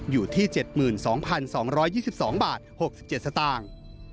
อยู่ที่๗๒๒๒บาท๖๗สตางค์